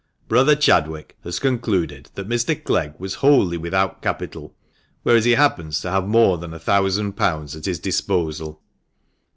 "Brother Chadwick had concluded that Mr. Clegg was wholly without capital, whereas he happens to have more than a thousand pounds at his disposal."